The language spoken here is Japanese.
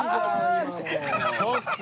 ちょっと！